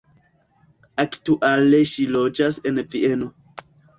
Aktuale ŝi loĝas en Vieno.